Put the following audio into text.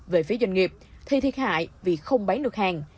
về phía doanh nghiệp thì thiệt hại vì không bán được hàng